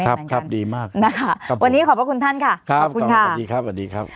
ครับครับดีมากนะคะวันนี้ขอบคุณท่านค่ะขอบคุณค่ะสวัสดีครับ